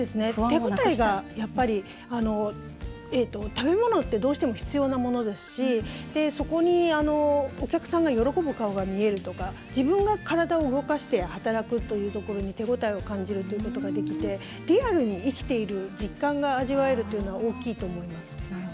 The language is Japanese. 手応えがやっぱり食べ物ってどうしても必要なものですしそこにお客さんが喜ぶ顔が見えるとか自分が体を動かして働くというところに手応えを感じることができてリアルに生きている実感が味わえるというのが大きいと思います。